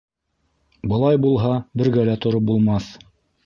Былай булһа, бергә лә тороп булмаҫ.